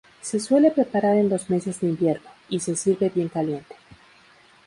Se suele preparar en los meses de invierno, y se sirve bien caliente.